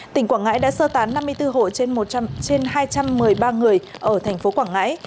tỉnh quảng ngãi đã sơ tán năm mươi bốn hộ trên hai trăm một mươi ba người ở thành phố quảng ngãi